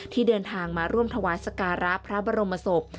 ที่เดินทางมาร่วมถวายสการะพระบรมศพ